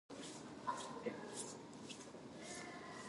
報われない世の中。